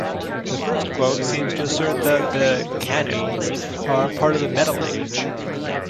The first quote seems to assert that the "canons" are part of the metalanguage.